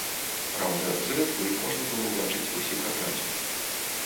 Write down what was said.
Праўда, зрэдку іх можна было ўбачыць усіх адразу.